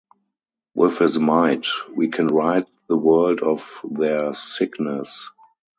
With his might, we can ride the world of there sickness.